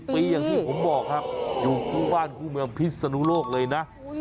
ปีอย่างที่ผมบอกครับอยู่คู่บ้านคู่เมืองพิศนุโลกเลยนะ